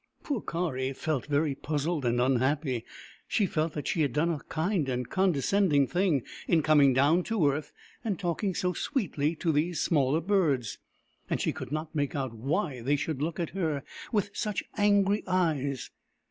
Poor Kari felt very puzzled and unhappy. She felt that she had done a kind and condescending thing in coming down to earth and talking so sweetly to these smaller birds ; and she could not make out why they should look at her with such angry eyes.